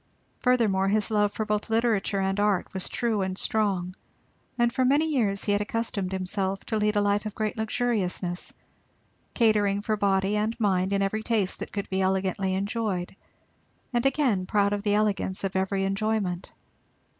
Furthermore, his love for both literature and art was true and strong; and for many years he had accustomed himself to lead a life of great luxuriousness; catering for body and mind in every taste that could be elegantly enjoyed; and again proud of the elegance of every enjoyment.